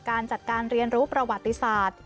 การจัดการเรียนรู้ประวัติศาสตร์